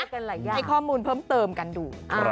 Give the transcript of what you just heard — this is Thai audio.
ให้ข้อมูลเพิ่มเติมกันดู